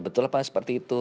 betul apa seperti itu